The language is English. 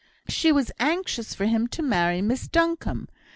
She was anxious for him to marry Miss Duncombe.